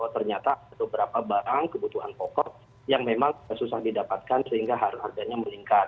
ternyata ada beberapa barang kebutuhan pokok yang memang susah didapatkan sehingga harganya meningkat